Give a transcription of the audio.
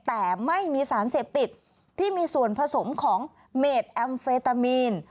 แต่ไม่มีสารเสพติดที่มีส่วนผสมของเมดแอมเฟตามีน